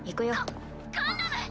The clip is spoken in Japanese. ガガンダム！